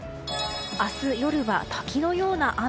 明日夜は滝のような雨。